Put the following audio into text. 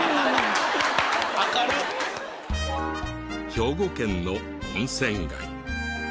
兵庫県の温泉街。